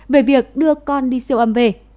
về việc đưa con đi siêu âm về